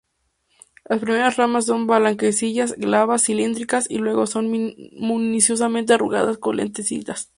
Las primeras ramas son blanquecinas, glabras, cilíndricas, y luego son minuciosamente arrugadas, con lenticelas.